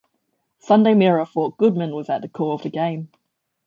Sunday Mirror thought Goodman was at the core of the game.